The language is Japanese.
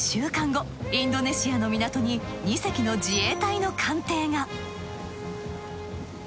インドネシアの港に２隻の自衛隊の艦艇が。